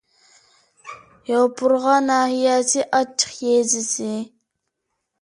يوپۇرغا ناھىيەسى ئاچچىق يېزىسى